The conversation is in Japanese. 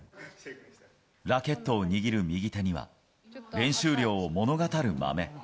ラケットを握る右手には、練習量を物語るまめ。